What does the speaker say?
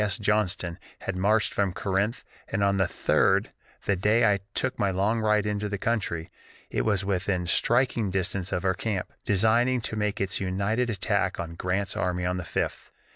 S. Johnston had marched from Corinth, and on the 3d, the day I took my "long ride into the country," it was within striking distance of our camp, designing to make its united attack on Grant's army on the 5th.